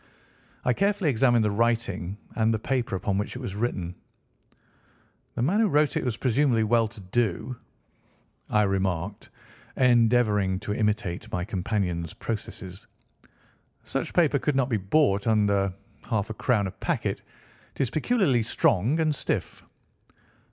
I carefully examined the writing, and the paper upon which it was written. "The man who wrote it was presumably well to do," I remarked, endeavouring to imitate my companion's processes. "Such paper could not be bought under half a crown a packet. It is peculiarly strong and stiff."